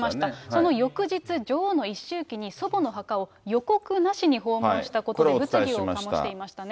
その翌日、女王の一周忌に、祖母の墓を予告なしに訪問したことで物議を醸していましたね。